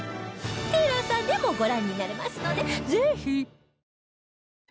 ＴＥＬＡＳＡ でもご覧になれますのでぜひ！